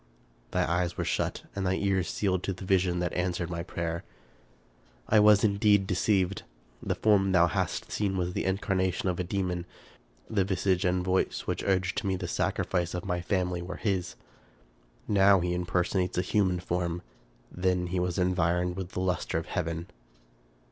Thy eyes were shut and thy ears sealed to the vision that answered my prayer. " I was indeed deceived. The form thou hast seen was the incarnation of a demon. The visage and voice which urged me to the sacrifice of my family were his. Now he 296 Charles Brockden Brown personates a human form; then he was environed with the luster of heaven.